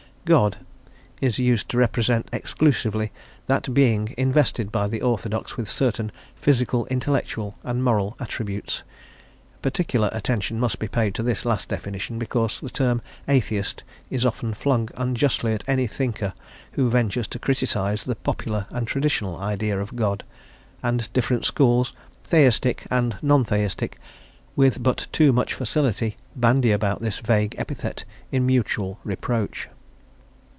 God is used to represent exclusively that Being invested by the orthodox with certain physical, intellectual, and moral attributes. Particular attention must be paid to this last definition, because the term "atheist" is often flung unjustly at any thinker who ventures to criticise the popular and traditional idea of God; and different schools, Theistic and non Theistic, with but too much facility, bandy about this vague epithet in mutual reproach.